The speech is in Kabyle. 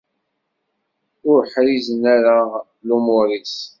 Ur ḥrizen ara lumuṛ-is.